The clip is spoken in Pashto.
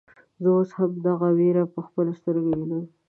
زه اوس هم دغه وير په خپلو سترګو وينم.